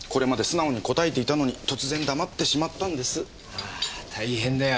ああ大変だよ